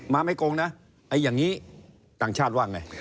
มาไม่โกงนะอย่างนี้ต่างชาติว่าอย่างไร